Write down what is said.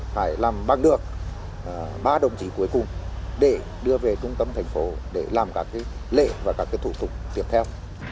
phải làm bằng được ba đồng chí cuối cùng để đưa về trung tâm thành phố để làm các lệ và các thủ tục tiếp theo